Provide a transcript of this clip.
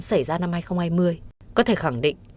xảy ra năm hai nghìn hai mươi có thể khẳng định